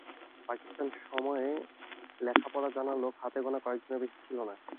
পাকিস্তান সময়ে লেখাপড়া জানা লোক হাতে গোনা কয়েকজনের বেশি ছিল না।